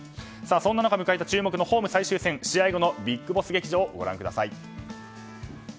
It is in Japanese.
そんな中、迎えた注目のホーム最終戦試合後のＢＩＧＢＯＳＳ劇場ご覧ください。